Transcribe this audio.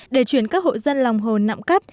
để chuyển các hội dân lòng hồ nạm cát